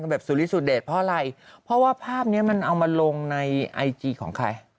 แบบสุริสุเดชเพราะอะไรเพราะว่าภาพนี้มันเอามาลงในไอจีของใคร